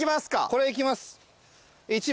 これいきます。